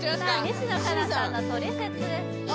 西野カナさんの「トリセツ」です